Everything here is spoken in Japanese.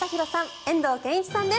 遠藤憲一さんです。